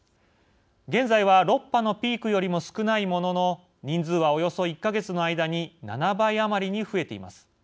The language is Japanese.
現在は６波のピークよりも少ないものの人数は、およそ１か月の間に７倍余りに増えています。